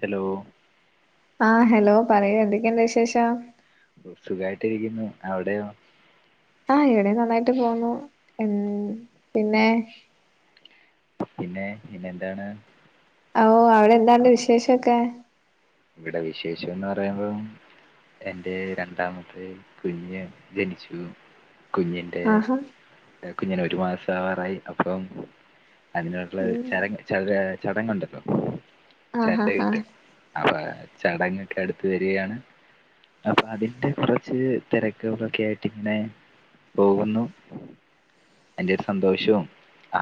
Hello ആ hello പറയൂ എന്തൊക്കെയുണ്ട് വിശേഷം സുഖായിട്ടിരിക്കുന്നു അവിടെയോ ആ ഇവിടെയും നന്നായിട്ട് പോന്നു ഉം പിന്നെ പിന്നെ പിന്നെ എന്താണ് ഓ അവിടെ എന്താണ്ട് വിശേഷൊക്കെ ഇവിടെ വിശേഷംന്ന് പറയുമ്പോ എന്റെ രണ്ടാമത്തെ കുഞ്ഞ് ജനിച്ചു കുഞ്ഞിൻ്റെ ആഹാ കുഞ്ഞിന് ഒരു മാസാവാറായി അപ്പം അതിനോടുള്ള ഉം ചടങ്ങ് ചെര് ചടങ്ങ് ഒണ്ടല്ലോ ആ ഹ ഹ അ ചടങ്ങൊക്കെ അടുത്ത് വരികയാണ് അപ്പൊ അതിന്റെ കാെറച്ച് തെരക്കുകൾക്കെ ആയിട്ട് ഇങ്ങനെ പോകുന്നു അതിന്റെ ഒരു സന്തോഷവും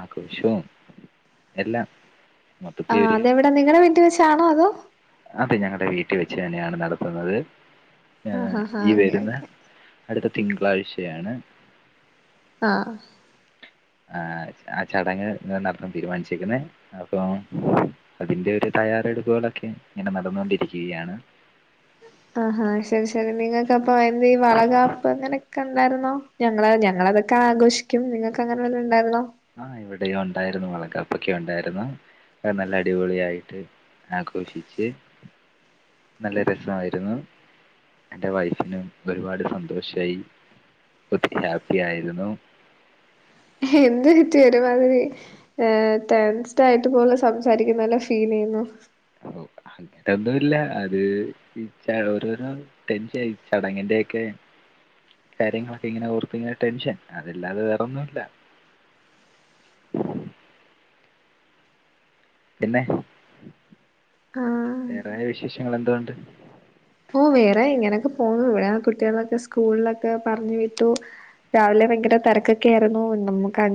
ആഘോഷവും എല്ലാം മൊത്തത്തിൽ ആഹ് ഒരു അതെവടാ നിങ്ങടെ വീട്ടി വെച്ചാണോ അതോ? അതെ ഞങ്ങടെ വീട്ടി വെച്ചെന്നെണ് നടത്തുന്നത്. ഏ ആഹ് ആഹ് ആഹ് ഈ ഓക്കെ വെര്ന്ന ഓക്കെ അട്ത്ത തിങ്കളാഴ്ചയാണ് ആഹ് അ് ആ ചടങ്ങ് ന്ന നടത്താൻ തീരുമാനിച്ചിരിക്കുന്നേ അപ്പോ അതിന്റെ ഒരു തയ്യാറെടുപ്പുകളൊക്കെ ഇങ്ങനെ നടന്നോണ്ടിരിക്കുകയാണ്. ആഹാ ശരി ശരി നിങ്ങൾക്കപ്പം എന്താ ഈ വളകാപ്പ് അങ്ങനെയൊക്കെ ഉണ്ടായിരുന്നോ ഞങ്ങള് ഞങ്ങള് അതൊക്കെ ആഘോഷിക്കും നിങ്ങൾക്ക് അങ്ങനെ വല്ലോം ഉണ്ടായിരുന്നോ ആ ഇവിടെ ഇവിടെയും ഉണ്ടായിരുന്നു വളകാപ്പൊക്കെ ഉണ്ടായിരുന്നു അത് നല്ല അടിപൊളി ആയിട്ട് ആഘോഷിച്ച് നല്ല രസമായിരുന്നു എന്റെ വൈഫിനും ഒരുപാട് സന്തോഷായി ഒത്തിരി ഹാപ്പി ആയിരുന്നു എന്താ പറ്റിയേ ഒരു മാതിരി ഏ ടെൻസ്ഡ് ആയിട്ട് പോലെ സംസാരിക്കുന്ന പോലെ ഫീൽ ചെയ്യുന്നു അങ്ങനൊന്നുവില്ല അത് ഈ ചടങ്ങ ഓരോരോ ടെൻഷൻ ഈ ചടങ്ങിന്റക്കെ കാര്യങ്ങളൊക്കെ ഇങ്ങനെ ഓർത്ത് ഇങ്ങനെ ടെൻഷൻ അതല്ലാതെ വേറൊന്നുവില്ല പിന്നെ ആഹ് വേറെ വിശേഷങ്ങൾ എന്തോണ്ട് ഓ വേറെ ഇങ്ങനെയൊക്കെ പോന്നു വേറേ കുട്ടികളൊക്കെ സ്കൂളിലൊക്കെ പറഞ്ഞു വിട്ടു രാവിലെ ഭയങ്കര തിരക്കൊക്കെ ആയിരുന്നു നമക്ക്